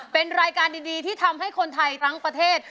เป็นรายการดีที่ทำให้คนไทยทั้งประเทศ